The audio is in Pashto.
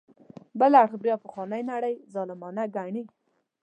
بل اړخ بیا پخوانۍ نړۍ ظالمه ګڼي.